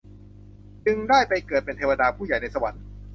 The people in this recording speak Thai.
จึงได้ไปเกิดเป็นเทวดาผู้ใหญ่ในสวรรค์